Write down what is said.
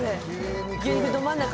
牛肉どまん中？